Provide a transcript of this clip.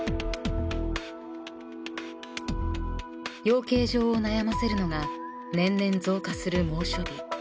［養鶏場を悩ませるのが年々増加する猛暑日］